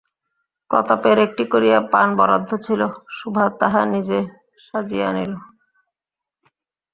প্রতাপের একটি করিয়া পান বরাদ্দ ছিল, সুভা তাহা নিজে সাজিয়া আনিত।